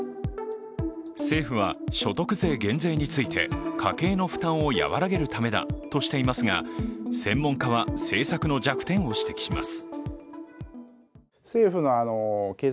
政府は所得税減税について、家計の負担を和らげるためだとしていますが専門家は政策の弱点を指摘します。